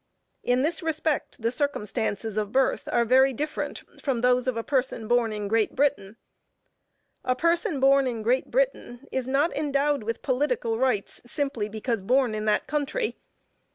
In this respect, the circumstances of birth are very different from those of a person born in Great Britain. A person born in Great Britain is not endowed with political rights, simply because born in that country.